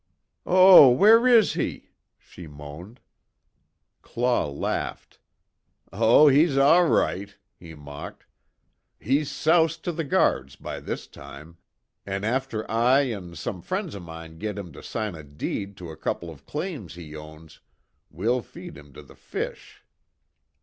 "Oh where is he?" she moaned. Claw laughed: "Oh, he's all right," he mocked, "He's soused to the guards by this time, an' after I an' some friends of mine git him to sign a deed to a couple of claims he owns, we'll feed him to the fish."